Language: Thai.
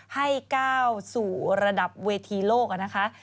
ให้ก้าวสู่ระดับเวทีโลกนะคะ